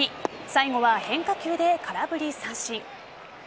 最後は変化球で空振り三振。